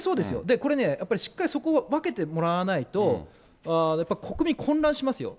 これね、しっかりそこを分けてもらわないと、やっぱ国民、混乱しますよ。